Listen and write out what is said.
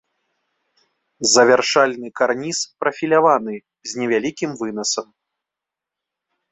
Завяршальны карніз прафіляваны, з невялікім вынасам.